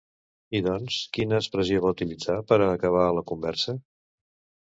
I doncs, quina expressió va utilitzar per a acabar la conversa?